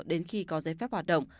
đến khi có giấy phép hoạt động